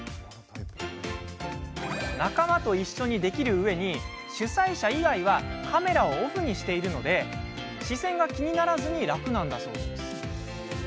仲間と一緒にできるうえに主催者以外はカメラをオフにしているので視線が気にならず楽なんだとか。